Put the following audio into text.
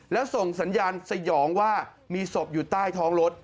แล้วส่งสัญญาณสยองว่ามีศพอยู่ใต้ท้องรถ